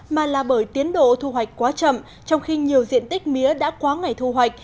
mà là bởi tiến độ thu hoạch quá chậm trong khi nhiều diện tích mía đã quá ngày thu hoạch